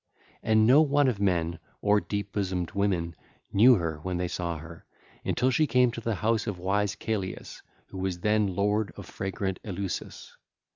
And no one of men or deep bosomed women knew her when they saw her, until she came to the house of wise Celeus who then was lord of fragrant Eleusis.